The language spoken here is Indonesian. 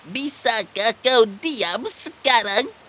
bisakah kau diam sekarang